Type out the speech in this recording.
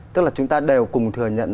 tức là chúng ta đều cùng thừa nhận